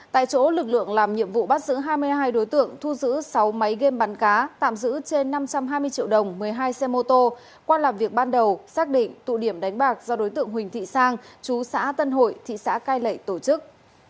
tại chỗ lực lượng làm nhiệm vụ bắt giữ hai mươi hai đối tượng thu giữ sáu máy game bắn cá tạm giữ trên năm trăm hai mươi triệu đồng một mươi hai xe mô tô qua làm việc ban đầu xác định tụ điểm đánh bạc do đối tượng huỳnh thị sang chú xã tân hội thị xã cai lệ tổ chức